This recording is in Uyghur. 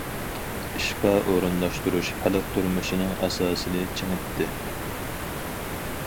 ئىشقا ئورۇنلاشتۇرۇش خەلق تۇرمۇشىنىڭ ئاساسىنى چىڭىتتى.